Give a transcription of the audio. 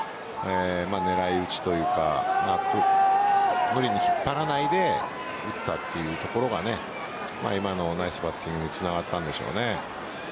狙い打ちというか無理に引っ張らないで打ったというところが今のナイスバッティングにつながったんでしょうね。